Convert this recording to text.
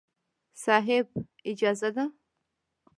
صاحب! اجازه ده.